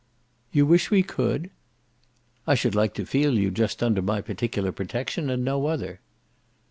"You wish we could?" "I should like to feel you just under my particular protection and no other."